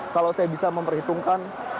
kalau saya bisa memperhitungkan